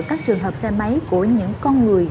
các trường hợp xe máy của những con người